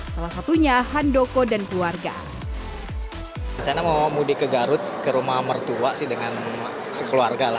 salah satunya handoko dan keluarga